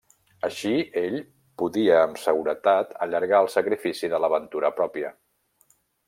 Així ell podia amb seguretat allargar el sacrifici de la ventura pròpia.